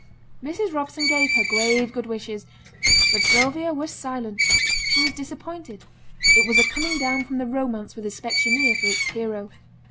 Mrs. Robson gave her her grave good wishes; but Sylvia was silent. She was disappointed; it was a coming down from the romance with the specksioneer for its hero.